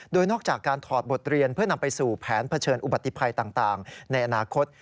โดยนอกจากการถอดบทเรียนเพื่อนำไปสู่แผนเผชิญอุบัติภัยต่างในอนาคต